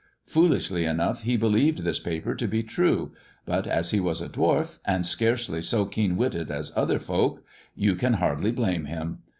Foolishly enough he believed this paper to be true, but as he was a dwarf, and scarcely so keen witted as other folk, you can hardly blame him.